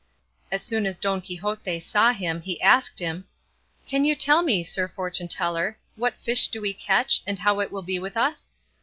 As soon as Don Quixote saw him, he asked him, "Can you tell me, sir fortune teller, what fish do we catch, and how will it be with us?